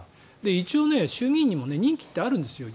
一応衆議院にも任期ってあるんですよね。